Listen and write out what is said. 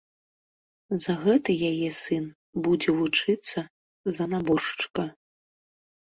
За гэта яе сын будзе вучыцца за наборшчыка.